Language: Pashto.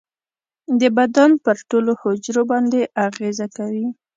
د بدن پر ټولو حجرو باندې اغیزه کوي.